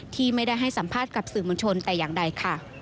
ที่ไม่ได้ให้สัมภาษณ์กับสื่อมวลชนแต่อย่างใดค่ะ